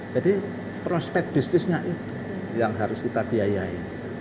jadi prospek bisnisnya itu yang harus kita biayai